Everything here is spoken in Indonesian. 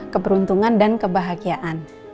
keberuntungan dan kebahagiaan